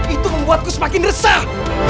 itu membuatku semakin resah